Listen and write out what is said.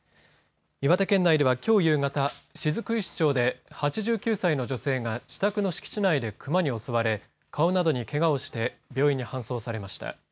岩手県内ではきょう夕方雫石町で８９歳の女性が自宅の敷地内でクマに襲われ顔などにけがをして病院に搬送されました。